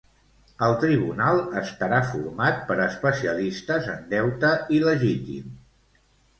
El tribunal estarà format per especialistes en deute il·legítim.